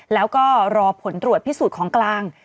แล้วก็รอผลตรวจพิสูจน์ของกลาง